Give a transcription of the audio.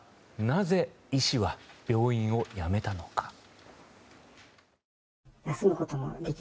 なぜ医師は病院を辞めたのか。